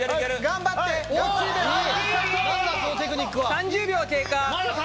３０秒経過。